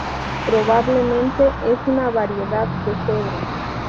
Probablemente es una variedad de cedro.